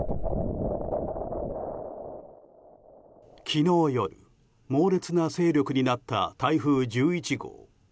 昨日夜、猛烈な勢力になった台風１１号。